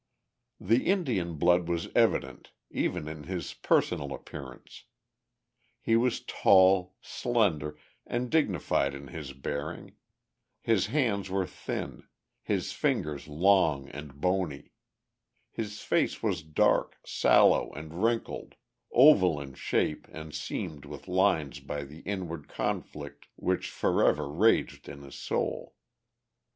The Indian blood was evident, even in his personal appearance. He was tall, slender, and dignified in his bearing; his hands were thin, his fingers long and bony; his face was dark, sallow, and wrinkled, oval in shape and seamed with lines by the inward conflict which forever raged in his soul.